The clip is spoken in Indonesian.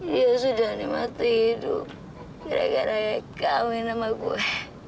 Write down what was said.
dia sudah nih mati hidup gara gara yang kawin sama gue